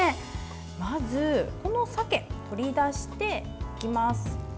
まず、この鮭取り出していきます。